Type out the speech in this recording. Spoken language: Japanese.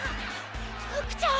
フクちゃん！